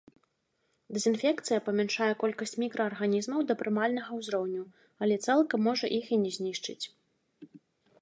Дэзінфекцыя памяншае колькасць мікраарганізмаў да прымальнага ўзроўню, але цалкам можа іх і не знішчыць.